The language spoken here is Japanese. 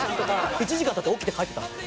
１時間経って起きて帰ったんです。